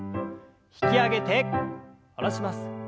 引き上げて下ろします。